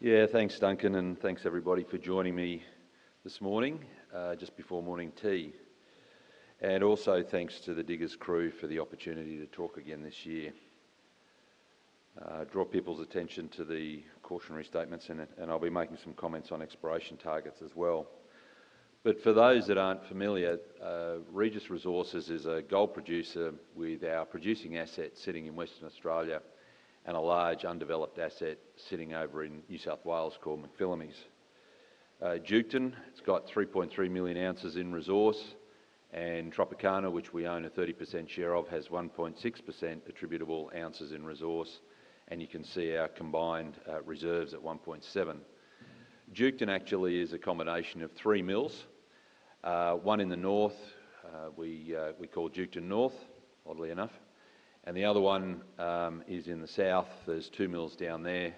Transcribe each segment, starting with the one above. Yeah, thanks, Duncan, and thanks everybody for joining me this morning, just before morning tea. Also, thanks to the Diggers crew for the opportunity to talk again this year. Draw people's attention to the cautionary statements, and I'll be making some comments on exploration targets as well. For those that aren't familiar, Regis Resources is a gold producer with our producing assets sitting in Western Australia and a large undeveloped asset sitting over in New South Wales called McPhillamys. Duketon has got 3.3 million ounces in resource, and Tropicana, which we own a 30% share of, has 1.6 million attributable ounces in resource. You can see our combined reserves at 1.7 million. Duketon actually is a combination of three mills, one in the north, we call Duketon North, oddly enough, and the other one is in the south. There's two mills down there,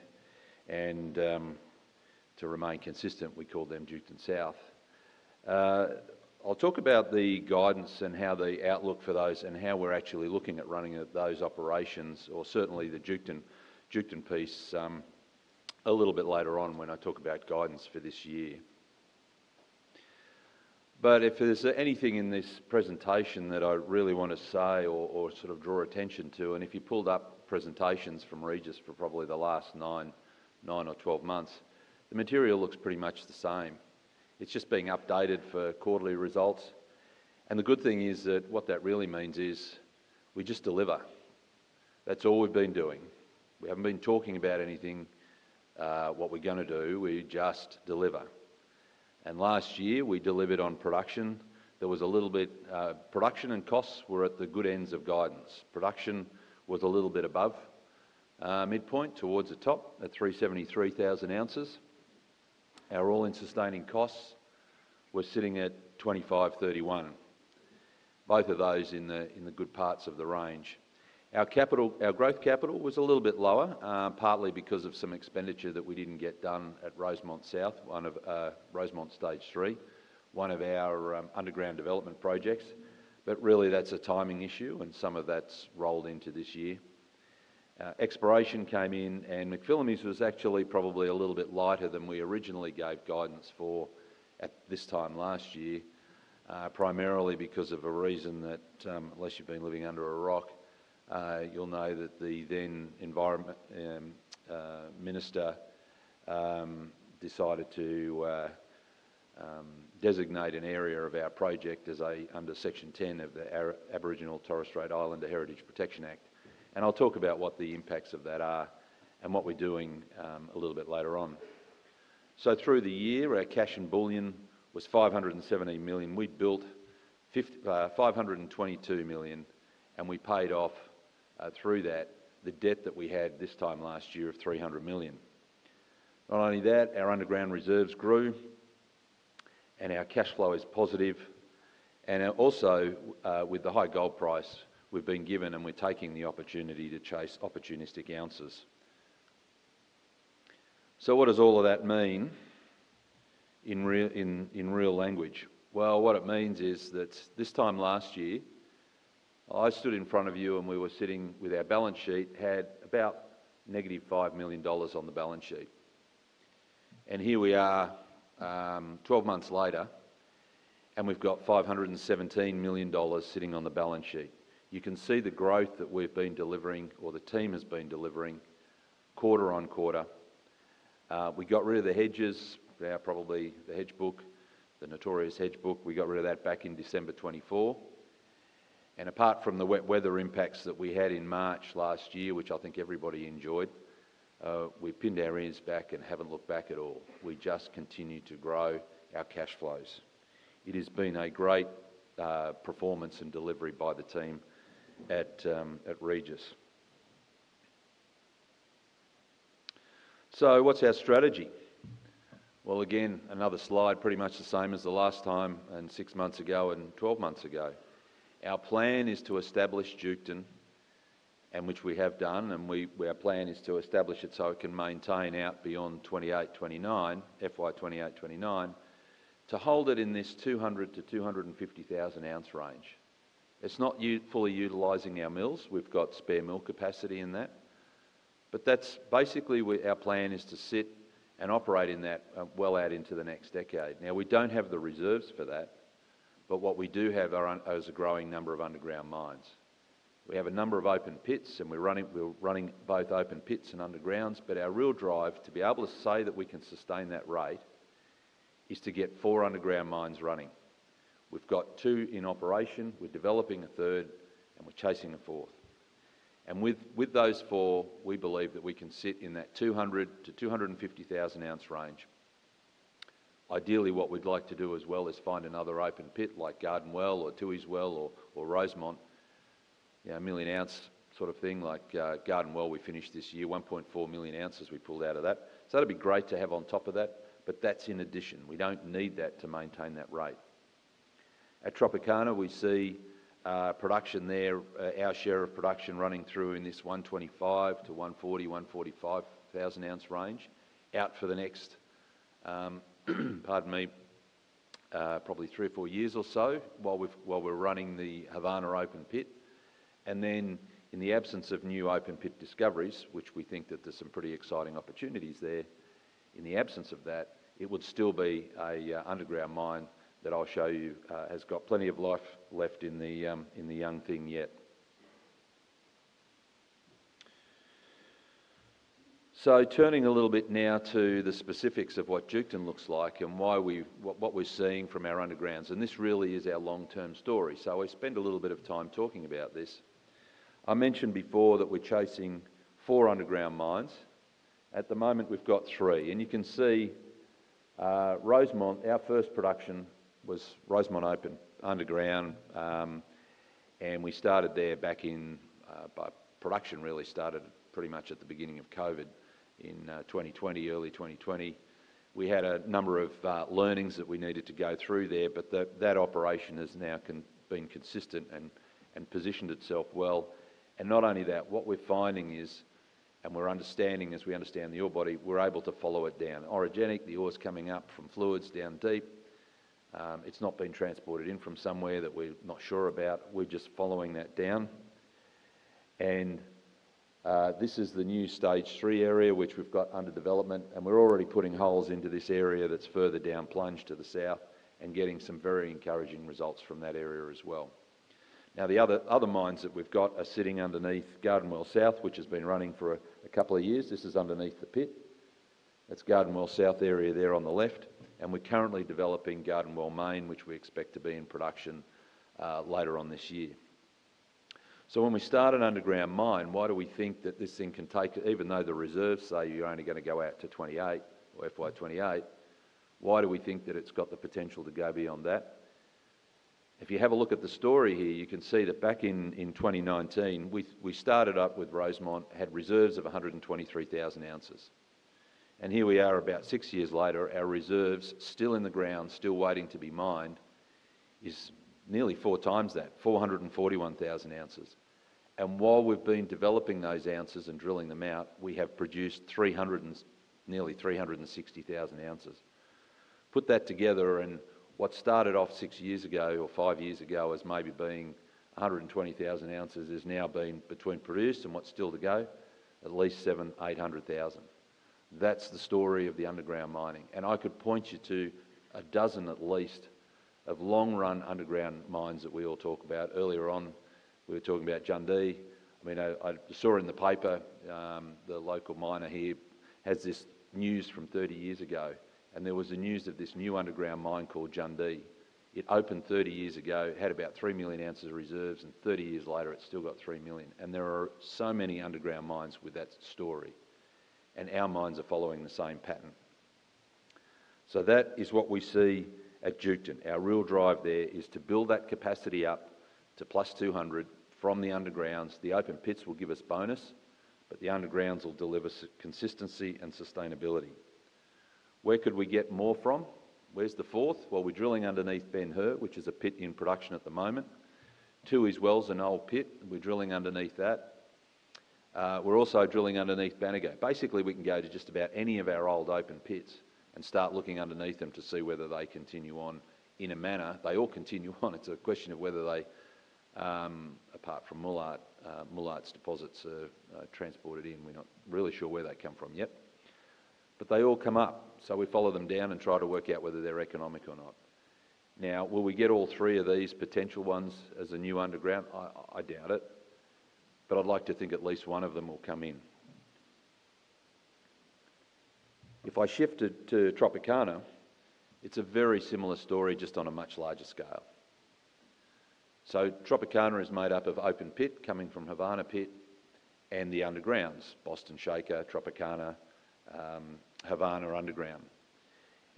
and to remain consistent, we call them Duketon South. I'll talk about the guidance and the outlook for those and how we're actually looking at running those operations, or certainly the Duketon piece, a little bit later on when I talk about guidance for this year. If there's anything in this presentation that I really want to say or sort of draw attention to, and if you pulled up presentations from Regis for probably the last nine, nine or twelve months, the material looks pretty much the same. It's just being updated for quarterly results. The good thing is that what that really means is we just deliver. That's all we've been doing. We haven't been talking about anything, what we're going to do. We just deliver. Last year, we delivered on production. Production and costs were at the good ends of guidance. Production was a little bit above, midpoint towards the top at 373,000 ounces. Our all-in sustaining costs were sitting at $2,531. Both of those in the good parts of the range. Our growth capital was a little bit lower, partly because of some expenditure that we didn't get done at Rosemont South, one of Rosemont Stage 3, one of our underground development projects. Really, that's a timing issue, and some of that's rolled into this year. Expiration came in, and McPhillamys was actually probably a little bit lighter than we originally gave guidance for at this time last year, primarily because of a reason that, unless you've been living under a rock, you'll know that the then environment minister decided to designate an area of our project under Section 10 of the Aboriginal Torres Strait Islander Heritage Protection Act. I'll talk about what the impacts of that are and what we're doing a little bit later on. Through the year, our cash and bullion was $570 million. We built $522 million, and we paid off, through that, the debt that we had this time last year of $300 million. Not only that, our underground reserves grew, and our cash flow is positive. Also, with the high gold price, we've been given, and we're taking the opportunity to chase opportunistic ounces. What does all of that mean in real language? It means that this time last year, I stood in front of you, and we were sitting with our balance sheet, had about -$5 million on the balance sheet. Here we are, 12 months later, and we've got $517 million sitting on the balance sheet. You can see the growth that we've been delivering, or the team has been delivering, quarter on quarter. We got rid of the hedges, probably the hedge book, the notorious hedge book. We got rid of that back in December 2024. Apart from the wet weather impacts that we had in March last year, which I think everybody enjoyed, we pinned our ears back and haven't looked back at all. We just continue to grow our cash flows. It has been a great performance and delivery by the team at Regis. What's our strategy? Again, another slide, pretty much the same as the last time and 6 months ago and 12 months ago. Our plan is to establish Duketon, which we have done, and our plan is to establish it so it can maintain out beyond 2028, 2029, FY 2028, 2029, to hold it in this 200,000-250,000 ounce range. It's not fully utilizing our mills. We've got spare mill capacity in that. That's basically our plan is to sit and operate in that well out into the next decade. We don't have the reserves for that, but what we do have is a growing number of underground mines. We have a number of open pits, and we're running both open pits and undergrounds, but our real drive to be able to say that we can sustain that rate is to get four underground mines running. We've got two in operation. We're developing a third, and we're chasing a fourth. With those four, we believe that we can sit in that 200,000 ounce-250,000 ounce range. Ideally, what we'd like to do as well is find another open pit like Garden Well or Toohey's Well or Rosemont, you know, a million-ounce sort of thing like Garden Well. We finished this year, 1.4 million ounces we pulled out of that. That'd be great to have on top of that, but that's in addition. We don't need that to maintain that rate. At Tropicana, we see production there, our share of production running through in this 125,000 ounce-140,000 ounce, 145,000 ounce range out for the next, pardon me, probably three or four years or so while we're running the Havana open pit. In the absence of new open pit discoveries, which we think that there's some pretty exciting opportunities there, in the absence of that, it would still be an underground mine that I'll show you has got plenty of life left in the young thing yet. Turning a little bit now to the specifics of what Duketon looks like and what we're seeing from our undergrounds, this really is our long-term story. I spent a little bit of time talking about this. I mentioned before that we're chasing four underground mines. At the moment, we've got three. You can see, Rosemont, our first production was Rosemont underground, and we started there back in, by production really started pretty much at the beginning of COVID in 2020, early 2020. We had a number of learnings that we needed to go through there, but that operation has now been consistent and positioned itself well. Not only that, what we're finding is, and we're understanding as we understand the ore body, we're able to follow it down. Orogenic, the ore's coming up from fluids down deep. It's not been transported in from somewhere that we're not sure about. We're just following that down. This is the new Stage 3 area, which we've got under development, and we're already putting holes into this area that's further down plunged to the south and getting some very encouraging results from that area as well. The other mines that we've got are sitting underneath Garden Well South, which has been running for a couple of years. This is underneath the pit. That's Garden Well South area there on the left. We're currently developing Garden Well Main, which we expect to be in production later on this year. When we start an underground mine, why do we think that this thing can take, even though the reserves say you're only going to go out to 2028 or FY 2028, why do we think that it's got the potential to go beyond that? If you have a look at the story here, you can see that back in 2019, we started up with Rosemont, had reserves of 123,000 ounces. Here we are about six years later, our reserves still in the ground, still waiting to be mined, is nearly four times that, 441,000 ounces. While we've been developing those ounces and drilling them out, we have produced nearly 360,000 ounces. Put that together and what started off six years ago or five years ago as maybe being 120,000 ounces has now been, between produced and what's still to go, at least 700,000 ounces, 800,000 ounces. That's the story of the underground mining. I could point you to a dozen at least of long-run underground mines that we all talk about. Earlier on, we were talking about Dundee. I saw in the paper, the local miner here has this news from 30 years ago, and there was news of this new underground mine called Dundee. It opened 30 years ago, had about 3 million ounces of reserves, and 30 years later, it's still got 3 million. There are so many underground mines with that story. Our mines are following the same pattern. That is what we see at Duketon. Our real drive there is to build that capacity up to +200 from the undergrounds. The open pits will give us bonus, but the undergrounds will deliver consistency and sustainability. Where could we get more from? Where's the fourth? We're drilling underneath Ben Hur, which is a pit in production at the moment. Tooheys Well's an old pit. We're drilling underneath that. We're also drilling underneath Bannergate. Basically, we can go to just about any of our old open pits and start looking underneath them to see whether they continue on in a manner. They all continue on. It's a question of whether they, apart from MoolartMoolart's deposits are transported in. We're not really sure where they come from yet. They all come up. We follow them down and try to work out whether they're economic or not. Will we get all three of these potential ones as a new underground? I doubt it. I'd like to think at least one of them will come in. If I shifted to Tropicana, it's a very similar story just on a much larger scale. Tropicana is made up of open pit coming from Havana pit and the undergrounds: Boston Shaker, Tropicana, Havana underground.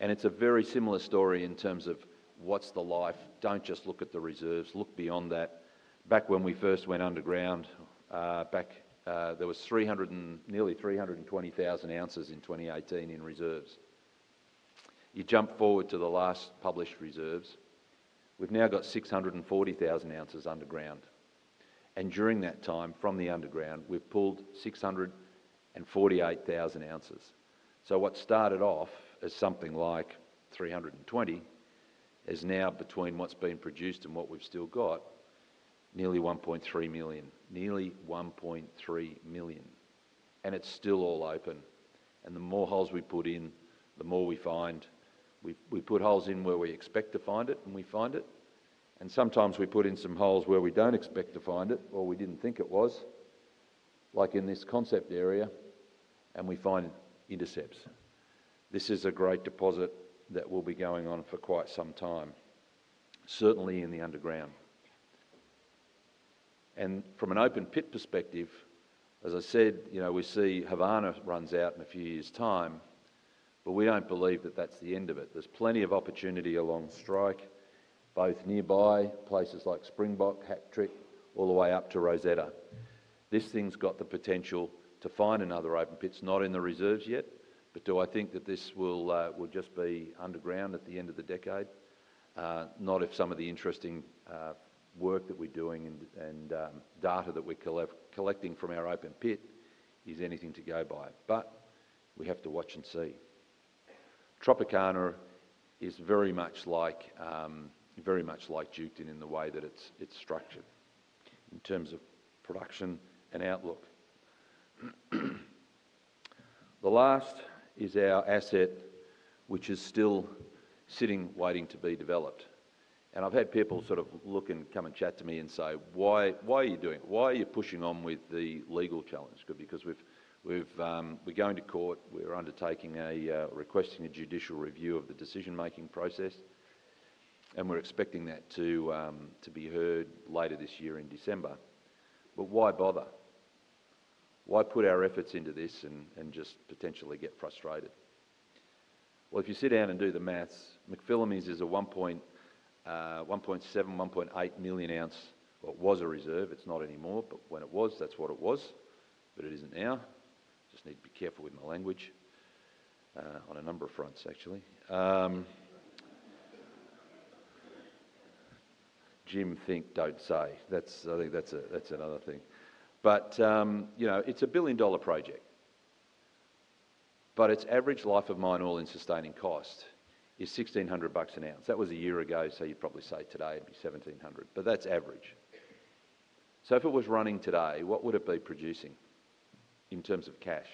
It's a very similar story in terms of what's the life. Don't just look at the reserves. Look beyond that. Back when we first went underground, there was 320,000 ounces in 2018 in reserves. You jump forward to the last published reserves. We've now got 640,000 ounces underground. During that time, from the underground, we've pulled 648,000 ounces. What started off as something like 320 ounces is now between what's been produced and what we've still got, nearly 1.3 million ounces, nearly 1.3 million ounces. It's still all open. The more holes we put in, the more we find. We put holes in where we expect to find it, and we find it. Sometimes we put in some holes where we don't expect to find it or we didn't think it was, like in this concept area, and we find intercepts. This is a great deposit that will be going on for quite some time, certainly in the underground. From an open pit perspective, as I said, we see Havana runs out in a few years' time, but we don't believe that that's the end of it. There's plenty of opportunity along strike, both nearby places like Springbok, Chatree, all the way up to Rosetta. This thing's got the potential to find another open pit. It's not in the reserves yet, but do I think that this will just be underground at the end of the decade? Not if some of the interesting work that we're doing and data that we're collecting from our open pit is anything to go by. We have to watch and see. Tropicana is very much like Duketon in the way that it's structured in terms of production and outlook. The last is our asset, which is still sitting waiting to be developed. I've had people sort of look and come and chat to me and say, "Why are you doing it? Why are you pushing on with the legal challenge?" We're going to court. We're undertaking a requesting a judicial review of the decision-making process. We're expecting that to be heard later this year in December. Why bother? Why put our efforts into this and just potentially get frustrated? If you sit down and do the maths, McPhillamys is a 1.7 million ounce, 1.8 million ounce what was a reserve. It's not anymore, but when it was, that's what it was. It isn't now. Just need to be careful with my language, on a number of fronts, actually. Think, don't say. That's, I think that's another thing. You know, it's a billion-dollar project, but its average life of mine all-in sustaining cost is $1,600 an ounce. That was a year ago, so you'd probably say today it'd be $1,700, but that's average. If it was running today, what would it be producing in terms of cash?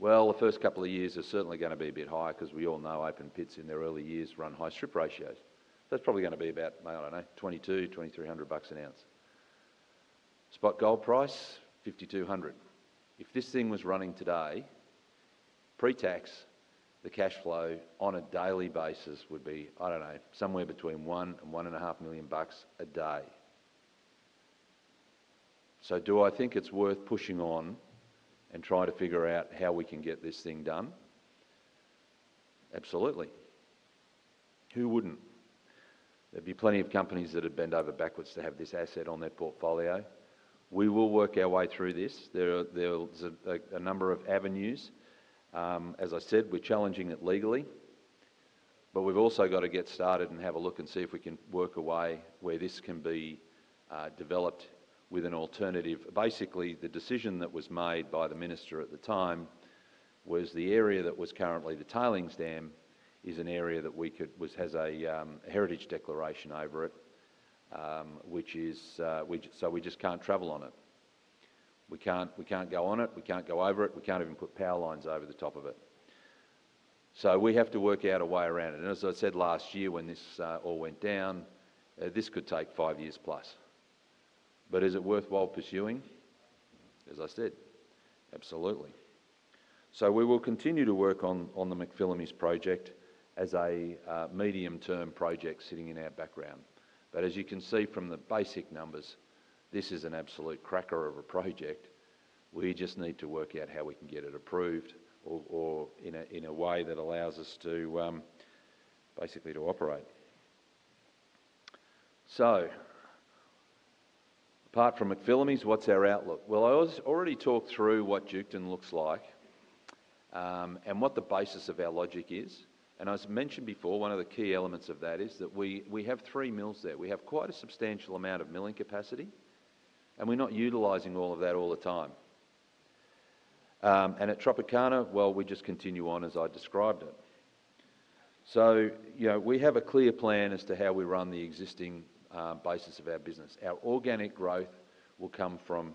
The first couple of years are certainly going to be a bit higher because we all know open pits in their early years run high strip ratios. It's probably going to be about, I don't know, $2,200, $2,300 an ounce. Spot gold price, $5,200. If this thing was running today, pre-tax, the cash flow on a daily basis would be, I don't know, somewhere between $1 million and $1.5 million a day. Do I think it's worth pushing on and trying to figure out how we can get this thing done? Absolutely. Who wouldn't? There'd be plenty of companies that would bend over backwards to have this asset on their portfolio. We will work our way through this. There's a number of avenues. As I said, we're challenging it legally. We've also got to get started and have a look and see if we can work a way where this can be developed with an alternative. Basically, the decision that was made by the minister at the time was the area that was currently the tailings dam is an area that has a heritage declaration over it, which is, so we just can't travel on it. We can't go on it. We can't go over it. We can't even put power lines over the top of it. We have to work out a way around it. As I said last year when this all went down, this could take five years plus. Is it worthwhile pursuing? As I said, absolutely. We will continue to work on the McPhillamys project as a medium-term project sitting in our background. As you can see from the basic numbers, this is an absolute cracker of a project. We just need to work out how we can get it approved or in a way that allows us to basically operate. Apart from McPhillamys, what's our outlook? I already talked through what Duketon looks like and what the basis of our logic is. As I mentioned before, one of the key elements of that is that we have three mills there. We have quite a substantial amount of milling capacity, and we're not utilizing all of that all the time. At Tropicana, we just continue on as I described it. You know, we have a clear plan as to how we run the existing basis of our business. Our organic growth will come from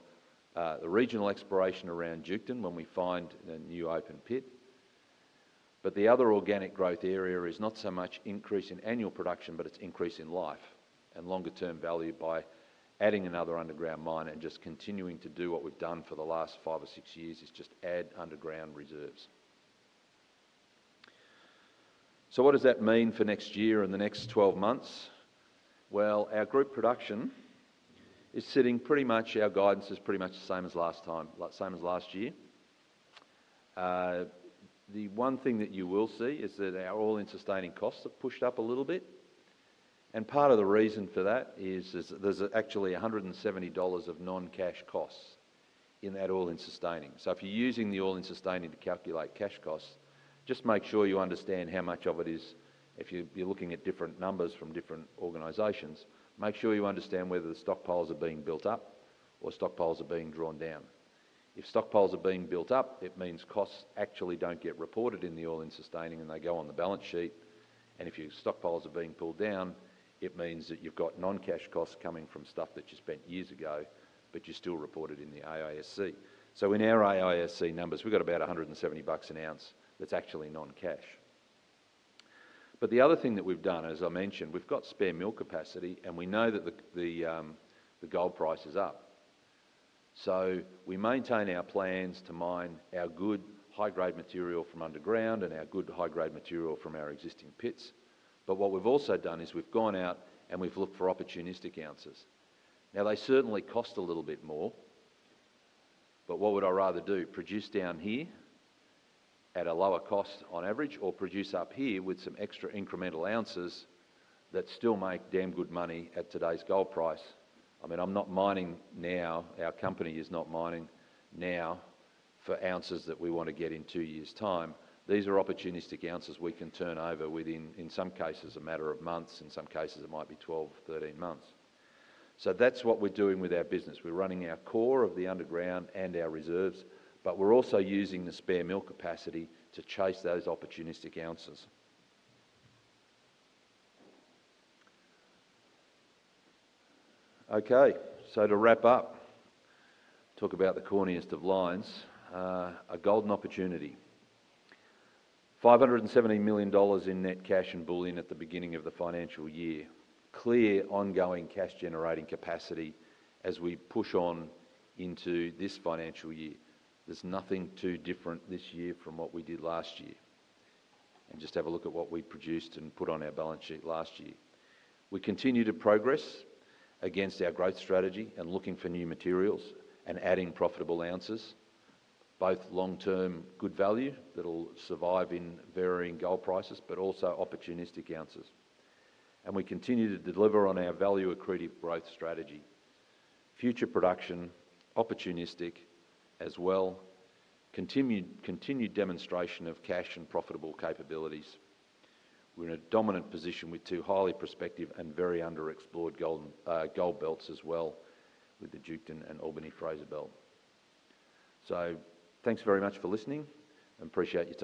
the regional exploration around Duketon when we find a new open pit. The other organic growth area is not so much increase in annual production, but it's increase in life and longer-term value by adding another underground mine. Just continuing to do what we've done for the last five or six years is just add underground reserves. What does that mean for next year and the next 12 months? Our group production is sitting pretty much, our guidance is pretty much the same as last time, same as last year. The one thing that you will see is that our all-in sustaining costs are pushed up a little bit. Part of the reason for that is there's actually $170 of non-cash costs in that all-in sustaining. If you're using the all-in sustaining to calculate cash costs, just make sure you understand how much of it is. If you're looking at different numbers from different organizations, make sure you understand whether the stockpiles are being built up or stockpiles are being drawn down. If stockpiles are being built up, it means costs actually don't get reported in the all-in sustaining and they go on the balance sheet. If your stockpiles are being pulled down, it means that you've got non-cash costs coming from stuff that you spent years ago, but you still report it in the AISC. In our AISC numbers, we've got about $170 an ounce that's actually non-cash. The other thing that we've done, as I mentioned, we've got spare mill capacity, and we know that the gold price is up. We maintain our plans to mine our good high-grade material from underground and our good high-grade material from our existing pits. What we've also done is we've gone out and we've looked for opportunistic ounces. They certainly cost a little bit more, but what would I rather do? Produce down here at a lower cost on average or produce up here with some extra incremental ounces that still make damn good money at today's gold price? I mean, I'm not mining now. Our company is not mining now for ounces that we want to get in two years' time. These are opportunistic ounces we can turn over within, in some cases, a matter of months. In some cases, it might be 12, 13 months. That's what we're doing with our business. We're running our core of the underground and our reserves, but we're also using the spare mill capacity to chase those opportunistic ounces. Okay. To wrap up, talk about the corniest of lines, a golden opportunity. $517 million in net cash and bullion at the beginning of the financial year. Clear ongoing cash-generating capacity as we push on into this financial year. There's nothing too different this year from what we did last year. Just have a look at what we produced and put on our balance sheet last year. We continue to progress against our growth strategy and looking for new materials and adding profitable ounces, both long-term good value that will survive in varying gold prices, but also opportunistic ounces. We continue to deliver on our value-accretive growth strategy. Future production, opportunistic as well. Continued demonstration of cash and profitable capabilities. We're in a dominant position with two highly prospective and very underexplored gold belts as well with the Duketon and Albany Fraser Belt. Thanks very much for listening. I appreciate your time.